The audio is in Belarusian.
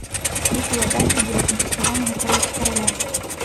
Іх уладанні былі канфіскаваны на карысць караля.